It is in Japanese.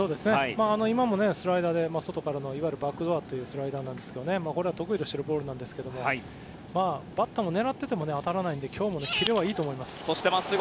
今もスライダーで外からのいわゆるバックドアというスライダーですけどもこれは得意としているボールですがバッターも狙ってても当たらないので今日もキレはいいと思います。